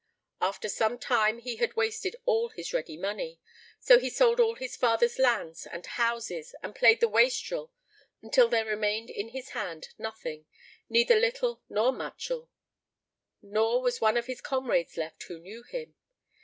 After some time he had wasted all his ready money, so he sold all his father's lands and houses and played the wastrel until there remained in his hand nothing, neither little nor muchel, nor was one of his comrades left who knew him.